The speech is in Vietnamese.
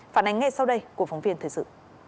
phản ánh ngay sau đây của phóng viên thời sự